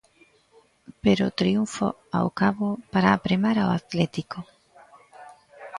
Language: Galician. Pero triunfo ao cabo para apremar ao Atlético.